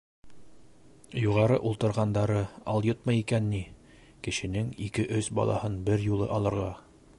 Юғары ултырғандары алйотмо икән ни, кешенең ике-өс балаһын бер юлы алырға.